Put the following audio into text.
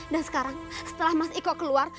dan sekarang setelah mas iko keluar